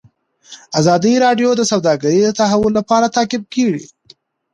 ازادي راډیو د سوداګري د تحول لړۍ تعقیب کړې.